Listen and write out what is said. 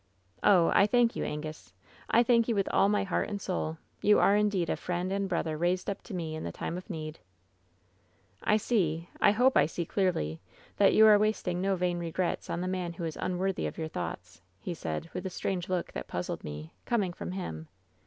'' 'Oh! I thank you, Angus!— I thank you with all 188 WHEN SHADOWS DIE my heart and soul ! You are indeed a friend and brother raised up to me in the time of need !'" *I see — I hope I see clearly — that you are wasting no vain relets on the man who is unworthy of your thoughts/ he said, with a strange look that puzzled me, coming from him.